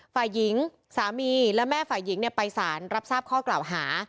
ฝ่ายหญิงสามีและแม่ฝ่ายหญิงไปสารรับทราบข้อกล่าวหา